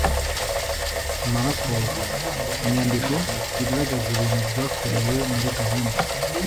amaraporo: inyandiko zigaragaza ibintu byakorewe muri gahunda